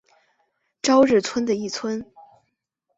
朝日村的一村。